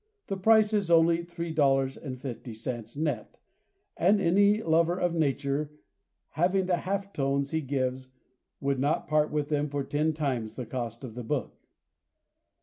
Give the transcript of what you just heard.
The price is only $3.50, net, and any lover of nature having the half tones he gives would not part with them for ten times the cost of the book.